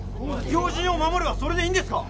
要人を護ればそれでいいんですか？